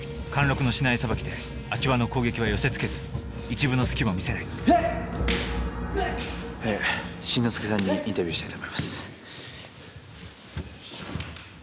貫禄の竹刀さばきで秋葉の攻撃は寄せつけず一分の隙も見せない慎之介さんにインタビューしたいと思います。